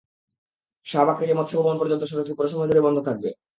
শাহবাগ থেকে মৎস্য ভবন পর্যন্ত সড়কটি পুরো সময় ধরেই বন্ধ থাকবে।